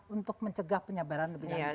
untuk mencegah penyebaran lebih lanjut